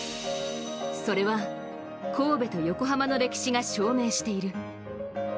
それは神戸と横浜の歴史が証明している。